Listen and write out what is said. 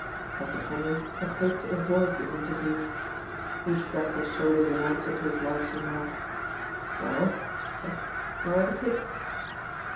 Edward Henry had hoped to avoid this interview. He shrugged his shoulders in answer to his wife's remark. "Well," he said, "where are the kids?"